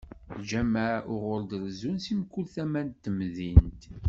Ljameɛ uɣur d-rezzun si mkul tama n temdint.